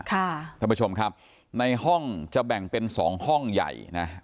ท่านผู้ชมครับในห้องจะแบ่งเป็น๒ห้องใหญ่นะ